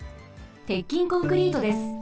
鉄筋コンクリートです。